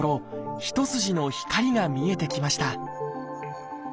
一筋の光が見えてきました